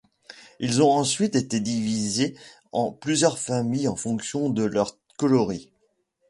Ils ont ensuite été divisés en plusieurs familles en fonction de leurs coloris.